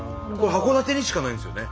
函館にしかないんですよね？